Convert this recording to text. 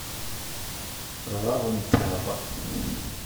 Ɣaḍent-aɣ.